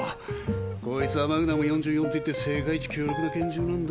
こいつはマグナム４４といって世界一強力な拳銃なんだ。